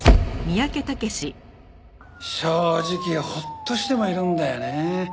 正直ホッとしてもいるんだよね。